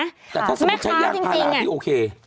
แต่ถ้าสมมุติใช้ยางพาราพี่โอเค